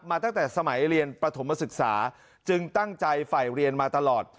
ตั้งแต่สมัยเรียนปฐมศึกษาจึงตั้งใจฝ่ายเรียนมาตลอด